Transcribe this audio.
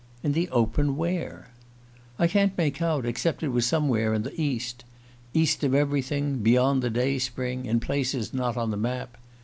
"In the open where?" "I can't make out, except that it was somewhere in the East. 'East of everything beyond the day spring. In places not on the map.